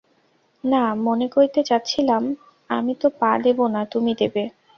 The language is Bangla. না, মনে কইতে চাস্সিলাম, আমি তো পা দেবো না, তুমি দেবে?